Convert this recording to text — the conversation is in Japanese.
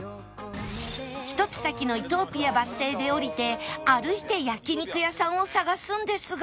１つ先のイトーピアバス停で降りて歩いて焼肉屋さんを探すんですが